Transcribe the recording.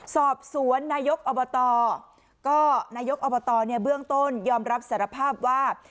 สอบสวนนายกอบตก็นายกอบตเนี่ยเบื้องต้นยอมรับสารภาพว่า